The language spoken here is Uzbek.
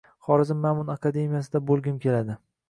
Xorazm Ma’mum akademiyasida bo‘lgim keladi